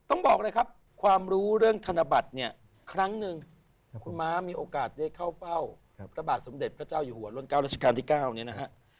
ต้องบอกเลยครับความรู้เรื่องธนบัตรเนี่ยครั้งหนึ่งคุณม้ามีโอกาสได้เข้าเฝ้าพระบาทสมเด็จพระเจ้าอยู่หัวล้นเก้าราชการที่๙เนี่ยนะฮะ